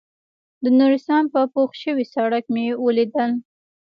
د نورستان په پوخ شوي سړک مې وليدل.